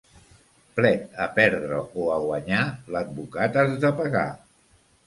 Plet, a perdre o a guanyar, l'advocat has de pagar.